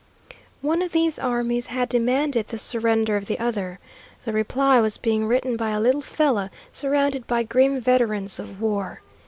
One of these armies had demanded the surrender of the other. The reply was being written by a little fellow, surrounded by grim veterans of war.